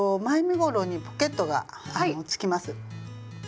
前身ごろにポケットがつきます。